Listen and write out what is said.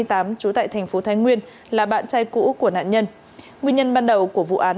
trú tại thành phố thái nguyên là bạn trai cũ của nạn nhân nguyên nhân ban đầu của vụ án